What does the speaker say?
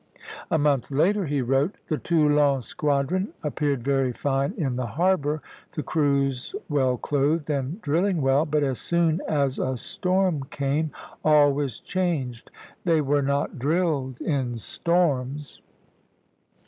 " A month later he wrote: "The Toulon squadron appeared very fine in the harbor, the crews well clothed and drilling well; but as soon as a storm came, all was changed. They were not drilled in storms."